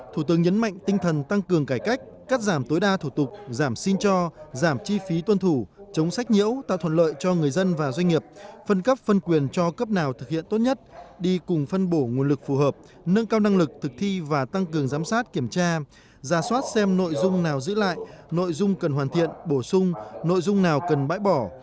thủ tướng nhấn mạnh tinh thần tăng cường cải cách cắt giảm tối đa thủ tục giảm xin cho giảm chi phí tuân thủ chống sách nhiễu tạo thuận lợi cho người dân và doanh nghiệp phân cấp phân quyền cho cấp nào thực hiện tốt nhất đi cùng phân bổ nguồn lực phù hợp nâng cao năng lực thực thi và tăng cường giám sát kiểm tra giả soát xem nội dung nào giữ lại nội dung cần hoàn thiện bổ sung nội dung nào cần bãi bỏ